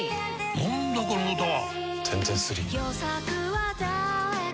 何だこの歌は！